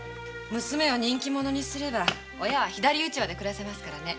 娘を人気者にすれば親は左うちわで暮らせますからね。